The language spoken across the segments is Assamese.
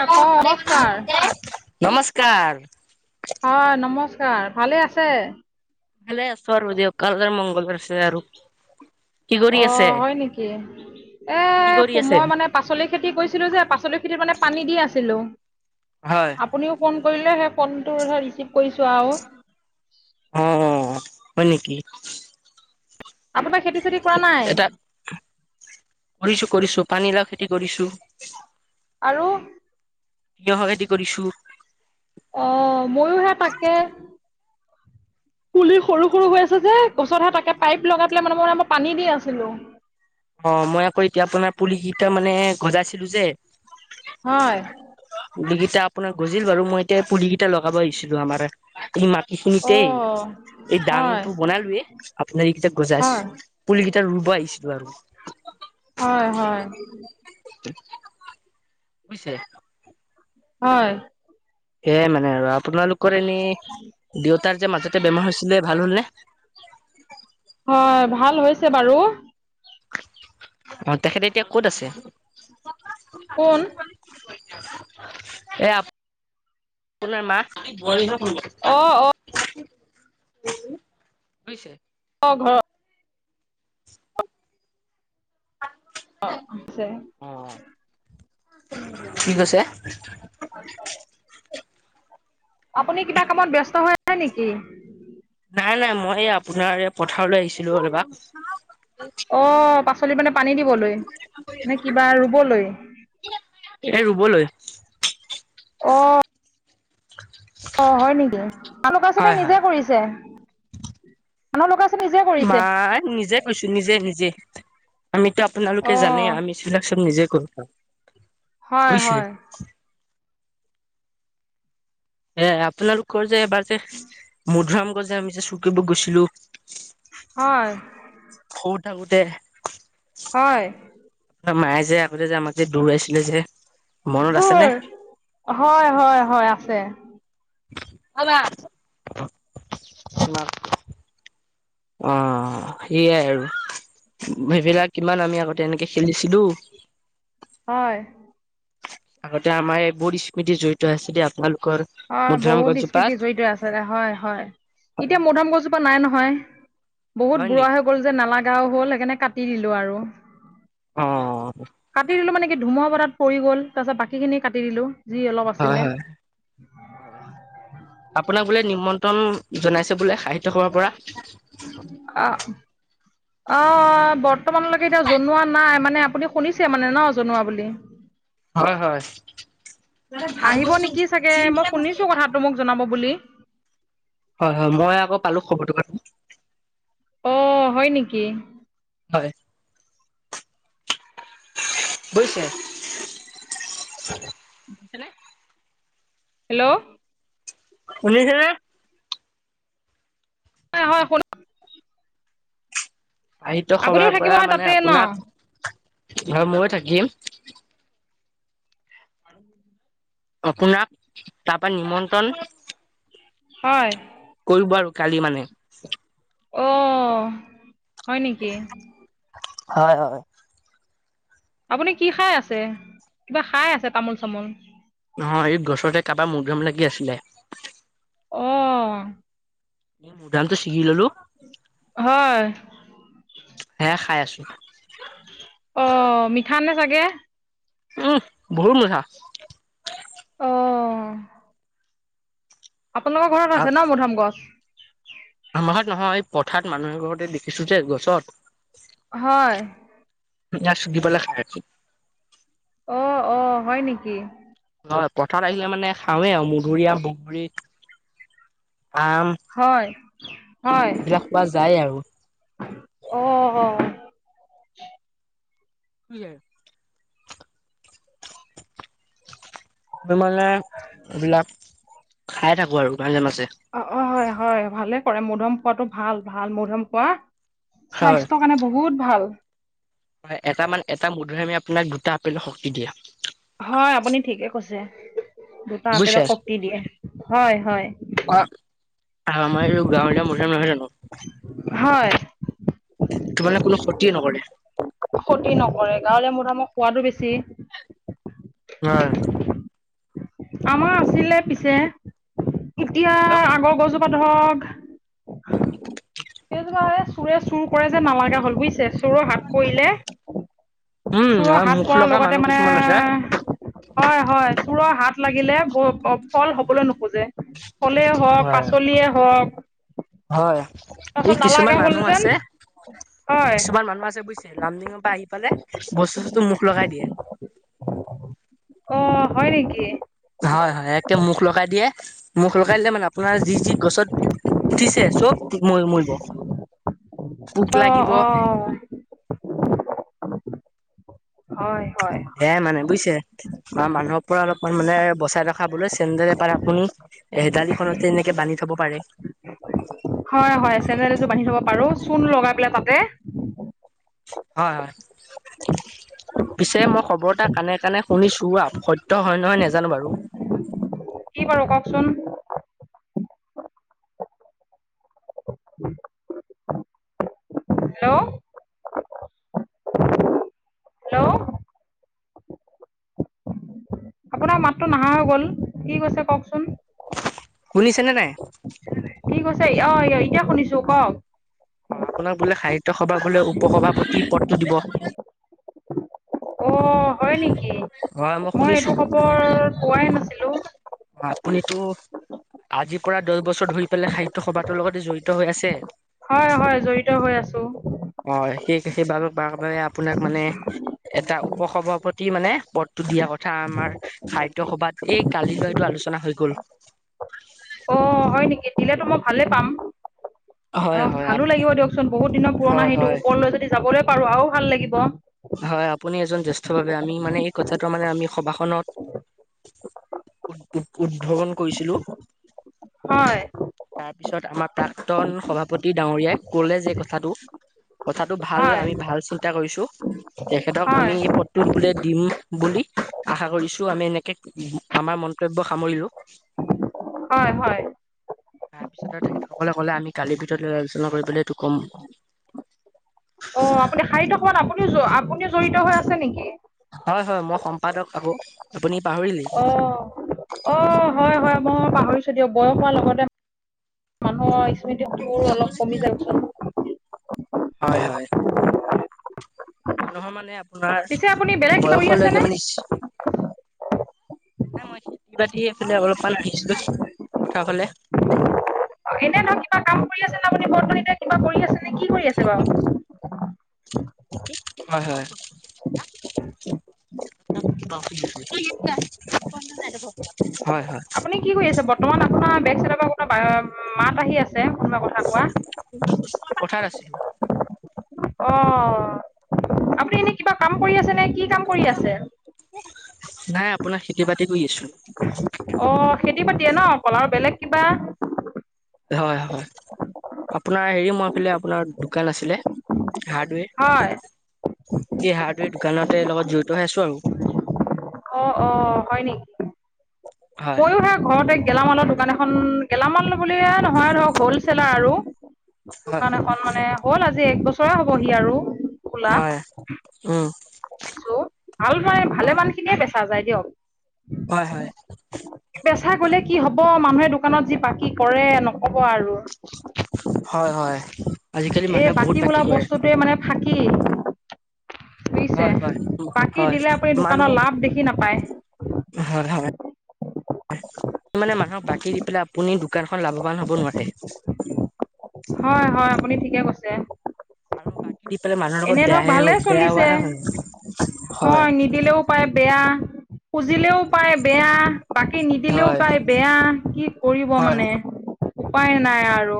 ক নমস্কাৰ নমস্কাৰ। হয় নমস্কাৰ ভালে আছে। ভাললে আছাৰ দৱ, কালদ্ৰে মংল বছে আৰু। কি কৰি আছে অ', হয় নেকি এ কি কৰি আছে? পুমৈ মানে পাচলি খেতি কৰিৈছিলো যে পাচলি খেতিত মানে পানী দি আছিলো। হয়। আপুনিও ফোন কৰিলে, সেই ফোনটো ৰিচিভ কৰিছোঁ আৰু। অ', অ', হয় নেকি। আপোনাৰ খেতি চেতি কৰা নাই। এটা কৰিছো কৰিছো পানীলাও খেতি কৰিছো। আৰু। তিয়হক খেতি কৰিছো। [inaudible] অ', ময়োহে তাকে। কুলি সৰু সৰু হৈ আছে যে গছতহে তাকে পাইপ লগাই পেলাই মানে মানে মই পানী দি নাছিলো। অ', মই আকৌ এতিয়া আপোনাৰ পুলি কিটা মানে সজাইছিলো যে। হয়। পুলিকেইটা আপোনাৰ গজিল বাৰু মই এতিয়া পুলি কেইটা লগাব আহিছিলো আমাৰ এই অ মাটিখিনিতেই এই হয় দাংটো বনালোয়ে আপোনাৰ এইকেইটা হয় গজাইছো। পুল কেইটা ৰুব আহিছিলো আৰু। হয় হয়। বুইছে। হয়। সেয়াই মানে আৰু আপোনালোকৰ এনেই দেৱতাৰ যে মাজতে বেমাৰ হৈছিলে ভাল হ'ল নে। হয় ভাল হৈছে বাৰু। অ', তেখেতে এতিয়া ক'ত আছে। কোন এ, আপোনাৰ ক অ অ হৈছেয় [unintelligible] অ', ঘ [inaudible] অছে [unintelligible] অ', কি কৈছে। হয় [inaudible] আপুনি কিবা কামত বেষ্ট হৈ আছে নেকি। নাই নাই মই আপোনাৰ এই পথাৰলৈ আহিছিলো আৰব। অ', পাচলিত মানে পানী দিবলৈ, নে কিবা ৰুবলৈ। এ ৰুবলৈ। অ'। [inaudible] অ', হয় নেকি হয় [unintelligible] নিজে হয়। কৰিছে [unintelligible] বা নিজে। কৈছো নিজে নিজে আমিতো আপোনালোকে অ জানেই আমি বিলাক চব নিজেই কৰো। [unintelligible] হয়, হয়। এ আপোনালোকৰ যে এবাৰ যে মধুৰিআম গছ যে আমি যে চোৰ কৰিব গৈছিলোঁ। হয়। সৰু থাকোঁতে। হয়। মায়ে যে আগতে যে আমাক যে দৌৰোয়াইছিল যে মনত আছেনে? হয়, হয়, হয়, আছে। [unintelligible] অহ, সেইয়াই আৰু সেইবিলাক কিমান আমি আগতে এনেকে খেলিছিলোঁ। হয়। আগতে আমাৰ এইবোৰ স্মৃতি জড়িত আছিলে আপোনালোকৰ। হয় মধুুৰাম বহুত স্মৃতি গছজোপাত জড়িত আছে হয়, হয়। এতিয়া মধুৰিআম গছজোপা নাই নহয়। বহুত হয় বুঢ়া নেকি হৈ গ'ল যে নালাগাও হ'ল, সেইকাৰণে কাটি দিলোঁ আৰু। অহ। কাটি দিলোঁ মানে কি ধুমুহা বতাহত পৰি গ'ল, তাৰপিছত বাকীখিনি কাটি দিলোঁ যি অলপ হয় আছিলে। হয় হয়, আপোনাক বোলে নিমন্ত্ৰণ জনাইছে বোলে সাহিত্য সভাৰ পৰা? অহ। অহ, বৰ্তমানলৈকে এতিয়া জনোৱা নাই মানে আপুনি শুনিছে মানে ন' জনোৱা বুলি? হয়, হয়। আহিব নেকি চাগে মই শুনিছোঁ কথাটো মোক জনাব বুলি। হয়, হয়। মই আকৌ পালোঁ খবৰটো অহ, হয় নেকি? হয়। [unintelligible] গৈছে হয়নে? হেল্ল'। শুনিছেনে? হয়, শুনা [unintelligible] সাহিত্য আপুনিও সভাৰ থাকিব পৰা হয় মানে তাতে ন আপোনাক, হয় মইয়ো থাকিম। আপোনাক তাৰপৰা নিমন্ত্ৰণ হয়। কৰিব আৰু কালি মানে। অ', হয় নেকি? হয়, হয়। আপুনি কি খাই আছে? কিবা খায় আছে তামোল-চামোল। নহয়, এই গছতে কেইটামান মধুৰিআম লাগি আছিলে। অহ। মধুৰিআমতো চিঙি ললোঁ। হয়। সেয়ে খায় আছোঁ। অহ', মিঠানে চাগে? উম', বহুত মিঠা। অহ। আপোনালোকৰ ঘৰত আছে ন' মধুৰিআম গছ? আমাৰ ঘৰত নহয়, এই পথাৰত মানুহ এঘৰতে দেখিছোঁ যে গছত হয়। [unintelligible] পেলাই খাই আছো। অ, অ, হয় নেকি? হয় পথাৰত আহিলে মানে খাওঁৱে আৰু মধুৰিআম, বগুৰী, আম। হয় এইবিলাক পোৱা যায় আৰু। অঁ, অ। কি [unintelligible] এইবিলাক খাই থাকো আৰু মাজে-মাজে। অ, হয়, হয়, ভালে কৰে মধম পোৱাাটো ভাল ভাল মধুম পোৱা হয়। স্বাস্থ্য মানে বহুত ভাল। এটামান এটা মধুৰআমে আপোনাক দুটা আপেলৰ শক্তি দিয়ে। হয় আপুনি ঠিকে কৈছে দুটা বুজিছে। আপেলৰ শক্তি দিয়ে, হয়, হয়। অ, আমাৰ গাঁৱলীয়া মছম নহয় জানো? হয়। মানে কোনো ক্ষতিে নকৰে। ক্ষতি নকৰে গাঁৱলীয়া মধামৰ সোৱাদো বেছি। হয়। আমাৰ আছিলে পিছে, এতিয়া লগ ডাঙৰ গছজোপা ধৰক চোৰে চুৰ কৰে যে নামাগা হল বুজিছে চোৰৰ হাত পৰিলে। উম চোৰৰ আৰু হাত মুখ পৰাৰ লগা লগতে মানুহ মানে কিছুমান আছে হয়, হয়, চোৰৰ হাত লাগিলে ব অ, ফল হবলৈ নোখোজে, ফলে হওক হয় পাচলিয়ে হওক হয়, এই তাৰপাছত নালাগা কিছুমান হ'ল মানুহ যেন আছে হয় কিছুমান মানুহ আছে বুজ লামডিঙৰ পৰা আহি পালে বস্তু-চস্তু মুখ লগাই দিয়ে। অঁ, হয় নেকি? হয়, হয়, একে মুখ লগাই দিয়ে, মুখ লগাই দিলে মানে আপোনাৰ যি যি গছত উঠিছে চব ম মৰিব। পোক অ, লাগিব অঁ। হয়, হয়। দে মানে বুজিছে? বা মানুহৰ পৰা অলপমান মানে বচাই ৰখাবলৈ চেণ্ডেল এপাত আপুন এ দালিখনতে এনেকে বান্ধি থব পাৰে। হয়, হয়, চেনেল এযোৰ বান্ধি থব পাৰো চূণ লগাই পেলাই তাতে। হয়, হয়। পিছে মই খবৰ এটা কানে-কানে শুনিছো সত্য হয় নহয় নাজানো বাৰু। কি বাৰু কওকচোন? হেল্ল'। হেল্ল'। আপোনাৰ মাতটো নাহা হৈ গ'ল, কি কৈছে কওকচোন? শুনিছেনে নাই? ঠিক কছে অ অ এতিয়া শুনিছো, কওক? অ আপোনাক বোলে সাহিত্য সভা বোলে উপ সভাপতি পদটো দিব। অঁ, হয় নেকি? হয় মই এইটো শুনিছো। খবৰ পোৱাই নাছিলো। হয়, আপুনিতো আজিৰ পৰা দছ বছৰ ধৰি পেলাই সাহিত্য সভাতৰ লগতে জড়িত হৈ আছে। হয়। হয়। জড়িত হৈ আছোঁ। অ, সেই সেইবাৰ [unintelligible] আপোনাক মানে এটা উপসভাপত টি মানে পদটো দিয়া কথা আমাৰ সাহিত্য সভাত, এই কালিলৈ এইটো আলোচনা হৈ গ'ল। অ' হয় নেকি? দিলেতো মই ভালে পাম। হয় অ' হয় ভালো লাগিব দিয়কচোন। বহুত দিনৰ পুৰণা হয় হেৰিটো হয় ওপৰলৈ যদি যাবলৈ পাৰোঁ আৰু ভাল লাগিব। হয়। আপুনি এজন জ্যেষ্ঠ ভাৱে, আমি মানে এই কথাটো মানে আমি সভাখনত উ উ উদ্ভৱন কৰিছিলোঁ। হয়। তাৰ পিছত আমাৰ প্ৰাক্তন সভাপতি ডাঙৰীয়াই ক'লে যে কথাটো কথাটো ভাল, হয় আমি ভাল চিন্তা কৰিছোঁ। এখেতক আমি হয় এই পদটোত বোলে দিম বুলি আশা কৰিছোঁ। আমি এনেকে আমাৰ মন্তব্য সামৰিলোঁ। হয়, হয়। তাৰপিছত তেখেতসকলে ক'লে আমি কালিৰ ভিতৰত লৈ আলোচনা কৰিব পেলে এইটো ক'ম। অ' আপুনি সাহিত্যসভাত আপুনিও, আপুনিও জড়িত হৈ আছে নেকি?? হয়। হয়। মই সম্পাদক আকৌ, আপুনি পাহৰিলে ৰি অ, অ', হয়। হয়। মই পাহৰিছোঁ দিয়ক, বয়স হোৱাৰ লগতে মানুহৰ স্মৃতি শক্তিবোৰো অলপ কমি জাই চোৱাছোন। হয়। হয়। মানুহৰ মানে তোমাৰ, পিছে আপুনি বেলেগ কিবা কৰি বয়সলৈকে আছেনে মানে [unintelligible] নাই মই কিবাতিফালে অলপমান আহিছলো। পথাৰৰ ফালে এনে ধৰ কিবা কাম আছে ন', আপুনি বৰ্তন এতিয়া কিবা কৰি আছেনে কি কৰি আছে বাৰু? হয়, হয়। হয়। হয়। আপুনি কি কৰি আছে? বৰ্তমান আপোনাৰ বেগ চাইডৰ পৰা কোনবা বা মাত আহি আছে কোনোবা কথা কোৱা। আ পথাৰ আছিল। অ' আপুনি এনে কিবা কাম কৰি আছে নে কি কাম কৰি আছে? নাই। আপোনাৰ খেতি বাতি কৰি আছোঁ। অ, ' খেতি বাতি ন' অকল আৰু বেলেগ কিবা? হয়। হয়। আপোনাৰ এৰি মুৱাফালে আপোনাৰ দোকান আছিলে। হাৰ্ডৱেৰ। হয়। এই হাৰ্ডৱেৰ দোকানতে লগত জড়িত হৈ আছোঁ আৰু। অ', অ', হয় নেকি? হয় ময়ো সেই ঘৰতে গেলামালৰ দোকান এখন গেলামাল বুলিয়ে নহয় ধৰক, হ'লচেলাৰ আৰু হয় দোকান এখন মানে হ'ল আজি, এক বছৰে হ'বহি আৰু। খোলা হয়। উম। খুলিছো। ভাল যায়। ভালে হয় মানখিনিয়ে বেচা যায় দিয়ক। হয়, হয়। বেচা গ'লে কি হ'ব? মানুহে দোকানত যি বাকি কৰে নক'ব আৰু। হয়। হয়। আজিকালি এই মানুহে বহুত বাকী বোলা কৰে বস্তুটোৱে মানে ফাঁকী। বুইছে? হয় হয় বাকী হয় দিলে আপুনি দোকানৰ লাভ দেখি নাপায়। হৰ হাৰে [unintelligible] মানুহক বাকী দি পেলাই আপুনি দোকানখন লাভৱান হ'ব নোৱাৰে। হয়। হয়। আপুনি ঠিকে কৈছে। আৰু বাকী দি পেলাই মানুহৰ এনে লগত ধৰক বেয়াহে ভালে হ'ব, বেয়া চলিছে হোৱাহে হ'ল। হয়। পায় বেয়া, খুজিলেও পায় বেয়া, বাকী নিদিলেও হয় পায় বেয়া, কি কৰিব হয় মানে উপায় নাই আৰু।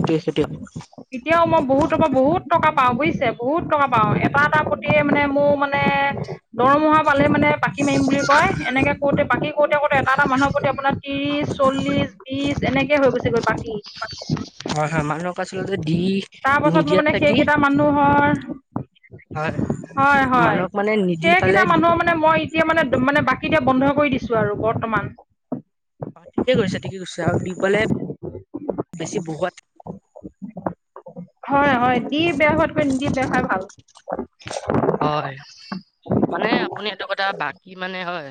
[unintelligible] এতিয়াও মই বহুতৰ পৰা বহুত টকা পাওঁ বুজিছে, বহুত টকা পাওঁ। এটা এটা প্ৰতিয়ে মানে মোৰ মানে দৰমহা পালে মানে বাকী মাৰিম বুলি কয়। এনেকে কওঁতে বাকী কৰোতে-কৰোতে এটা-এটা মানুহৰ প্ৰতি আপোনাৰ ত্ৰিশ চল্লিশ ত্ৰিশ এনেকে হৈ গৈছে গৈ বাকী। হয়, হয়। মানুহক আচলতে দি তাৰ পাছত মই নিদিয়াত। মানে [unintelligible] সেইকেইটা মানুহৰ হয় হয়, হয়। মানুহক মানে নিদি পালে সেইকেইটা মানুহৰ মানে মই এতিয়া মানে-মানে বাকী এতিয়া বন্ধ কৰি দিছোঁ আৰু বৰ্তমান। অহ, ঠিকে কৰিছা, ঠিকে কৰিছা আৰু দিবলে বেছি বহুত হয়, হয়। দি বেয়া হোৱাতকৈ নিদি বেয়া হোৱাই ভাল। হয়, মানে আপুনি এইটো কথা বাকী মানে হয়।